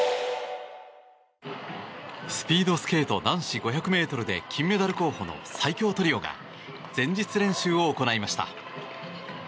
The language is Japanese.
スピードスケート男子５００ｍで金メダル候補の最強トリオが前日練習を行いました。